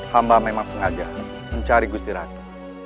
hamba memang sengaja mencari gustiratu